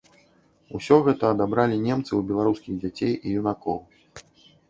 Усё гэта адабралі немцы ў беларускіх дзяцей і юнакоў.